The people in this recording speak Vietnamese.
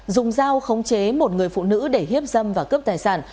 dùng dao khống chế một người phụ nữ để hiếp dâm và cướp tài sản